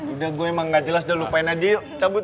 udah gue emang gak jelas udah lupain aja yuk cabut